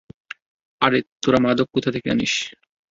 আরে তোরা মাদক কোথা থেকে আনিস?